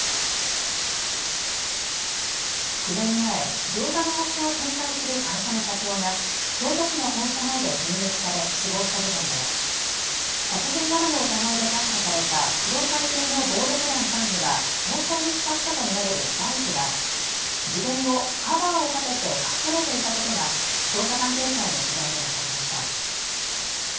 ９年前、餃子の王将を展開する会社の社長が京都市の本社前で銃撃され死亡した事件で殺人などの疑いで逮捕された工藤会系の暴力団幹部が逃走に使ったと見られるバイクは事件後、カバーをかけて隠されていたことが捜査関係者への取材で分かりました。